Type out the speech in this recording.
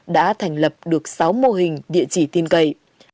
đã thành lập được sáu mô hình địa chỉ tin cậy